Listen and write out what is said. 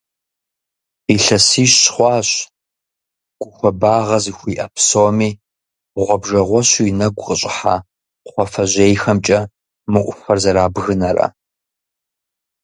Илъэсищ хъуащ гу хуабагъэ зыхуиӏэ псоми, гъуабжэгъуэщу и нэгу къыщӏыхьэ кхъуафэжьейхэмкӏэ мы ӏуфэр зэрабгынэрэ.